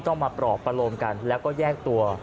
ต้องมาปลอบประโลมกันแล้วก็แยกตัว